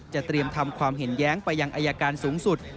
เตรียมทำความเห็นแย้งไปยังอายการสูงสุด